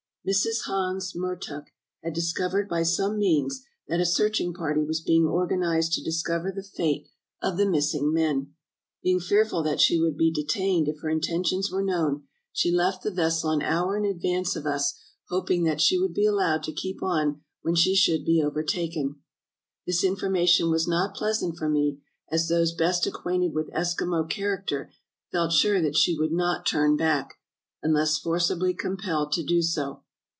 "Mrs. Hans [Mertuk] had discovered by some means that a searching party was being organized to discover the fate of the missing men. Being fearful that she would be detained if her intentions were known, she The Wifely Heroism of Mertuk 381 left the vessel an hour in advance of us, hoping that she would be allowed to keep on when she should be overtaken. "This information was not pleasant for me, as those best acquainted with Eskimo character felt sure that she would not turn back, unless forcibly compelled to do so.